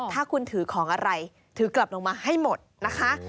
ถ้าคุณถือของอะไรถือกลับลงมาให้หมดนะคะ